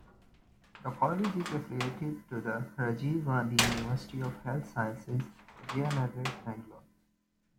The college is affiliated to the Rajiv Gandhi University of Health Sciences, Jayanagar, Bangalore.